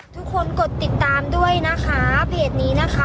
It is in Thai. ทุกคนกดติดตามด้วยนะคะเพจนี้นะคะ